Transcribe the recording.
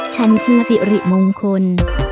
จานคือเหรียดโมงคล